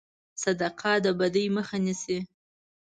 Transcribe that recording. صدقه د بدي مخه نیسي.